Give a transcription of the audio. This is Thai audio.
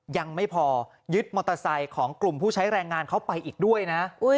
ยังไม่พอยึดมอเตอร์ไซค์ของกลุ่มผู้ใช้แรงงานเขาไปอีกด้วยนะ